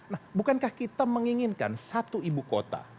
nah bukankah kita menginginkan satu ibu kota